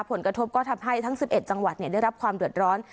ผลกระทบก็ทำให้ทั้งสิบเอ็ดจังหวัดเนี่ยได้รับความเดือดร้อน